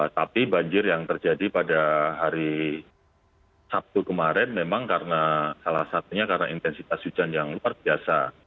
tapi banjir yang terjadi pada hari sabtu kemarin memang karena salah satunya karena intensitas hujan yang luar biasa